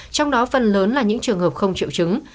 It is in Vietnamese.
trong đó phần lớn là những trường hợp không triệu chứng